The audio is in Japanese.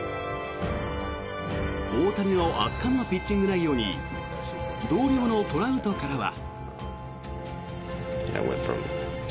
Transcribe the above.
大谷の圧巻のピッチング内容に同僚のトラウトからは。